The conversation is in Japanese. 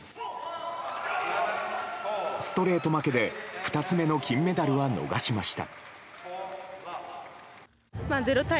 ストレート負けで２つ目の金メダルは逃しました。